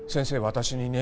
私にね